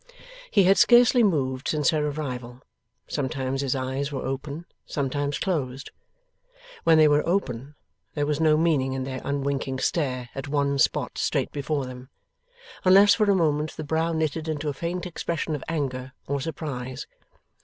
He had scarcely moved since her arrival. Sometimes his eyes were open, sometimes closed. When they were open, there was no meaning in their unwinking stare at one spot straight before them, unless for a moment the brow knitted into a faint expression of anger, or surprise.